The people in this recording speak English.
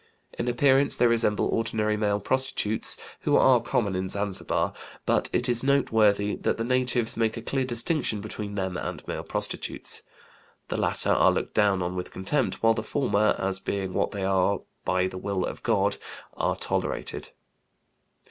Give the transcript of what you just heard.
In appearance they resemble ordinary male prostitutes, who are common in Zanzibar, but it is noteworthy that the natives make a clear distinction between them and men prostitutes. The latter are looked down on with contempt, while the former, as being what they are "by the will of God," are tolerated.